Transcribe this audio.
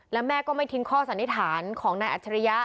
และแม่ก็ไม่ทิ้งข้อสันนิษฐานของนายอัจฉริยะ